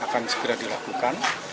akan segera dilakukan